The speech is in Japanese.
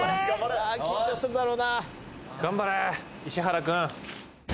石原君。